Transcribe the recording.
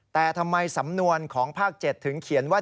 แต่ทำไมสำนวนของภาค๗ถึงเขียนว่า